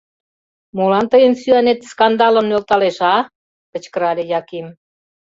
— Молан тыйын сӱанет скандалым нӧлталеш, а? — кычкырале Яким.